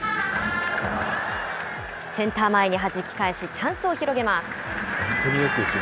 センター前にはじき返し、チャンスを広げます。